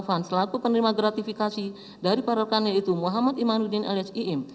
dan selaku penerima gratifikasi dari para rekan yaitu muhammad imanuddin alias iim